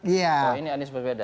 iya ini anies baswedan